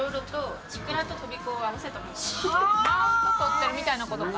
マウントとってるみたいな事か。